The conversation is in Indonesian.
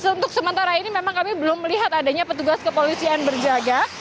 untuk sementara ini memang kami belum melihat adanya petugas kepolisian berjaga